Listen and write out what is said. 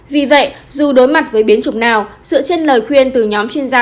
vì vậy dù đối mặt với biến chủng nào sự chân lời khuyên từ nhóm chuyên gia